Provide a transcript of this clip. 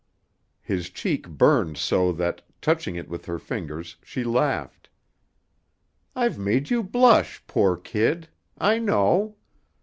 His cheek burned so that, touching it with her fingers, she laughed. "I've made you blush, poor kid! I know.